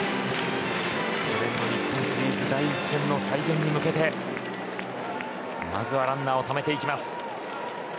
去年の日本シリーズ第１戦の再現に向けてまずランナーをためていきます。